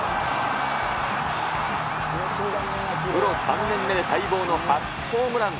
プロ３年目で待望の初ホームラン。